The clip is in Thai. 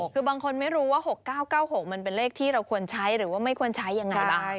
คือบางคนไม่รู้ว่า๖๙๙๖มันเป็นเลขที่เราควรใช้หรือว่าไม่ควรใช้ยังไงบ้าง